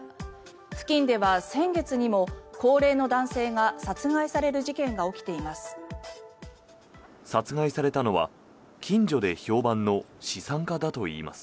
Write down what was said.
付近では先月にも高齢の男性が殺害される事件が起きています。